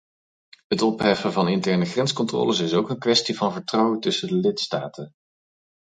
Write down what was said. Het opheffen van interne grenscontroles is ook een kwestie van vertrouwen tussen de lidstaten.